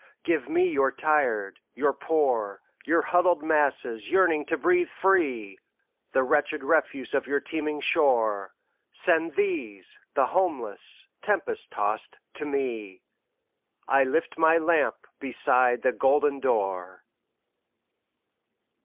"Give me your tired, your poor, Your huddled masses yearning to breathe free, The wretched refuse of your teeming shore. Send these, the homeless, tempest tost to me,I lift my lamp beside the golden door!"